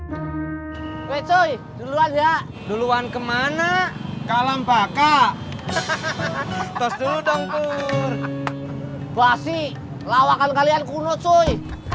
hai wey coy duluan ya duluan kemana kalambaka tos dulu dong tuh basi lawakan kalian kuno coy